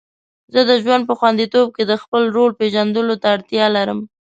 زه د ژوند په خوندیتوب کې د خپل رول پیژندلو ته اړتیا لرم.